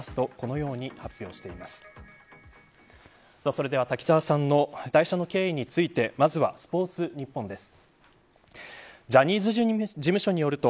それでは、滝沢さんの退社の経緯についてまずはスポーツニッポンです。